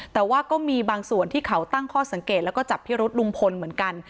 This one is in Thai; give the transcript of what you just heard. แต่ว่าก็มีบางส่วนที่เขาตั้งข้อสังเกตแล้วก็จับพิรุษลุงพลเหมือนกัน